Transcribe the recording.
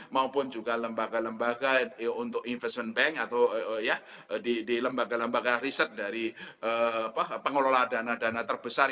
maupun juga lembaga lembaga untuk investment bank atau ya di lembaga lembaga riset dari pengelola dana dana terbesar